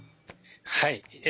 はい。